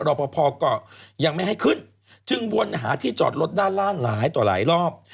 พอก็ยังไม่ให้ขึ้นจึงวนหาที่จอดรถด้านล่างหลายต่อหลายรอบ